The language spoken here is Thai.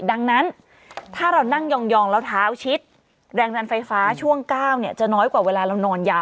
ดังนั้นถ้าเรานั่งยองแล้วเท้าชิดแรงดันไฟฟ้าช่วง๙จะน้อยกว่าเวลาเรานอนยาว